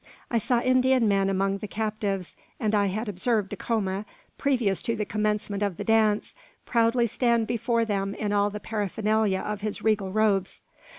I saw Indian men among the captives; and I had observed Dacoma, previous to the commencement of the dance, proudly standing before them in all the paraphernalia of his regal robes.